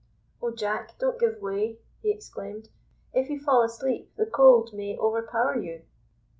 "Oh, Jack, don't give way," he exclaimed. "If you fall asleep, the cold may overpower you."